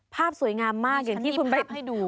ภาพสวยงามมากอย่างที่คุณไปดู